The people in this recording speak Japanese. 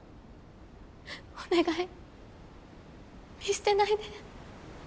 お願い見捨てないで。